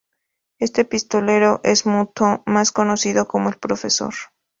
Este pistolero, es Mutoh, más conocido como El Profesor.